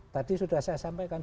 tadi sudah saya sampaikan